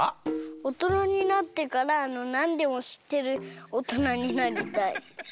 おとなになってからなんでもしってるおとなになりたい。